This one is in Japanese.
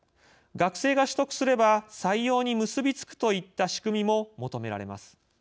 学生が取得すれば採用に結び付くといった仕組みも求められます。